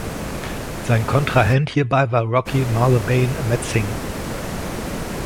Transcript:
Sein Kontrahent hierbei war Rocky Malebane-Metsing.